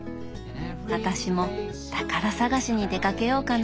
私も宝探しに出かけようかな。